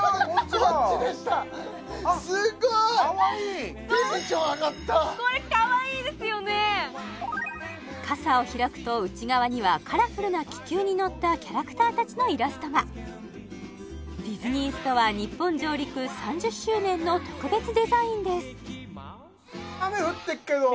こっちでしたかわいいこれかわいいですよね傘を開くと内側にはカラフルな気球に乗ったキャラクターたちのイラストがディズニーストア日本上陸３０周年の特別デザインです